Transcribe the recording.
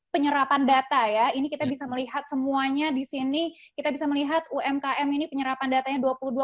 penyerapan data ya ini kita bisa melihat semuanya di sini kita bisa melihat umkm ini penyerapan datanya